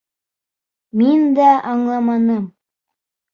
Мин дә аңламаным.